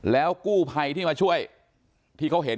แล้วกู้ภัยที่มาช่วยที่เขาเห็น